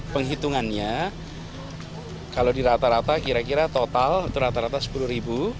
penghitungannya kalau di rata rata kira kira total itu rata rata rp sepuluh